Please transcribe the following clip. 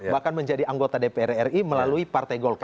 bahkan menjadi anggota dpr ri melalui partai golkar